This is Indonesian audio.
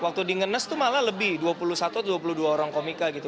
waktu di ngenes tuh malah lebih dua puluh satu atau dua puluh dua orang komika gitu